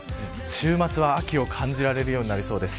週末は秋を感じられるようになりそうです。